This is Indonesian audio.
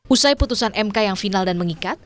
usai putusan mk yang final dan mengikat